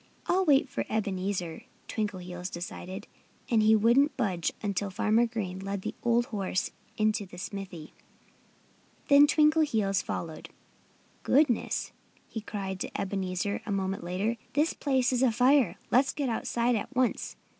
"I'll wait for Ebenezer," Twinkleheels decided. And he wouldn't budge until Farmer Green led the old horse into the smithy. Then Twinkleheels followed. "Goodness!" he cried to Ebenezer a moment later. "This place is afire. Let's get outside at once!"